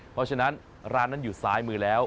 เพราะฉะนั้นร้านนั้นอยู่ซ้ายมือแล้ว